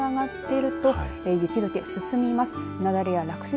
これだけ気温が上がっていると雪どけ進みます。